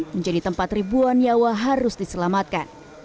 menjadi tempat ribuan nyawa harus diselamatkan